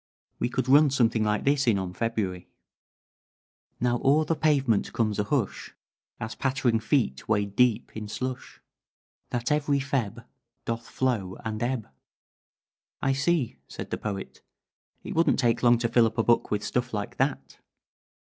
We could run something like this in on February: "Now o'er the pavement comes a hush As pattering feet wade deep in slush That every Feb. Doth flow and ebb." "I see," said the Poet. "It wouldn't take long to fill up a book with stuff like that."